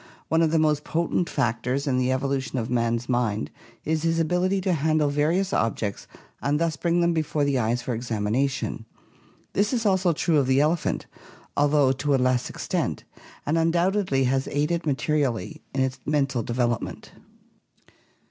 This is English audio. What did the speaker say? One of the most potent PROBOSCIDEANS 587 factors in the evolution of man's mind is his ability to handle various objects and thus bring them before the eyes for examination. This is also true of the elephant, although to a less extent, and un doubtedly has aided mate . rially in its mental develop ment.